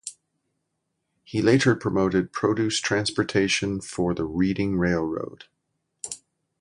He later promoted produce transportation for the Reading Railroad.